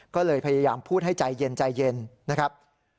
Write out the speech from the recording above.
ก็เลยพยายามพูดให้ใจเย็นใจเย็นนะครับ